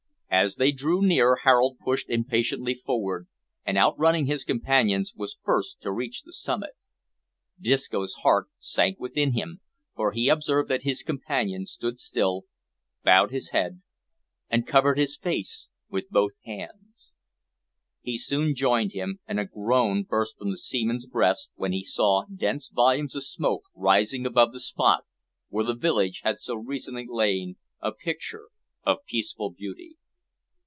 As they drew near Harold pushed impatiently forward, and, outrunning his companions, was first to reach the summit. Disco's heart sank within him, for he observed that his companion stood still, bowed his head, and covered his face with both hands. He soon joined him, and a groan burst from the seaman's breast when he saw dense volumes of smoke rising above the spot where the village had so recently lain a picture of peaceful beauty.